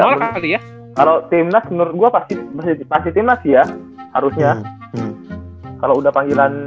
malah kali ya kalau timnas menurut gua pasti pasti masih ya harusnya kalau udah panggilan